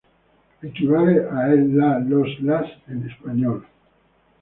Equivale a "el", "la", "los", "las" en español.